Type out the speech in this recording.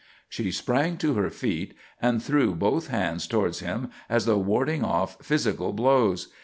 _" She sprang to her feet and threw both hands towards him as though warding off physical blows.